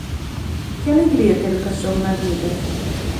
Que alegria ter um cachorro na vida?